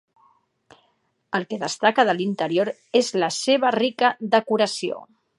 El que destaca de l'interior és la seva rica decoració.